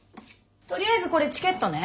とりあえずこれチケットね。